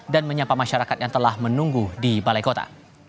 dan menyapa masyarakat yang telah menunggu di balai kota